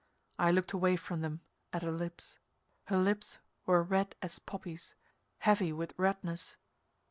I looked away from them, at her lips. Her lips were red as poppies, heavy with redness.